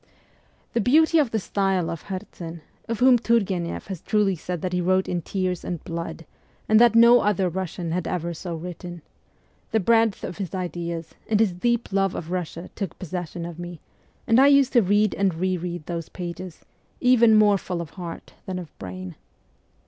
The beauty of the style of Herzen of whom Turgueneff has truly said that he wrote in tears and blood, and that no other Russian had ever so written the breadth of his ideas, and his deep love of Russia took possession of me, and I used to read and re read those pages, even more full of heart than of brain.